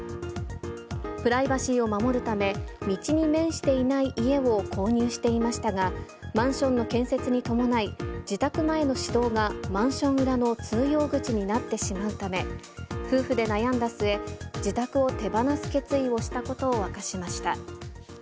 プライバシーを守るため、道に面していない家を購入していましたが、マンションの建設に伴い、自宅前の私道がマンション裏の通用口になってしまうため、夫婦で悩んだ末、自宅を手放す決意をしたことを明かしました。